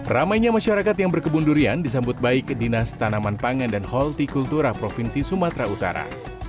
ramainya masyarakat yang berkebun durian disambut baik ke dinas tanaman pangan dan holti kultura provinsi sumatera utara